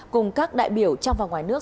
cùng các đại biểu trong và ngoài nước